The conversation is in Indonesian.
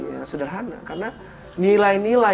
ya sederhana karena nilai nilai